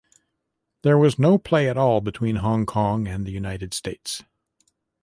There was no play at all between Hong Kong and the United States.